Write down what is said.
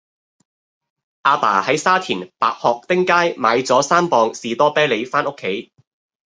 亞爸喺沙田白鶴汀街買左三磅士多啤梨返屋企